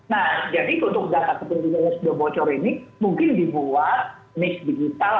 nah jadi untuk data kependudukan yang sudah bocor ini mungkin dibuat miss digital